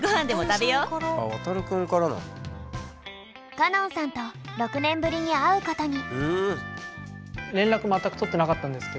歌音さんと６年ぶりに会うことに。